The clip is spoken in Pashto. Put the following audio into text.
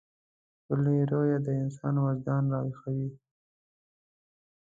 ښکلې رويه د انسان وجدان راويښوي.